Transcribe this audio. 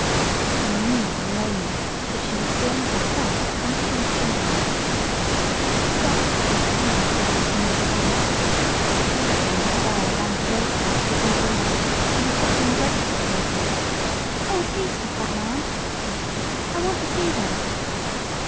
Katy knew in a moment that she was seeing her first Punch and Judy! The box and the crowd began to move away. Katy in despair ran to Wilkins, the old waiter who was setting the breakfast table. "Oh, please stop that man!" she said. "I want to see him."